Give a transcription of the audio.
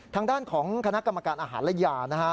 ทางด้านของคณะกรรมการอาหารและยานะฮะ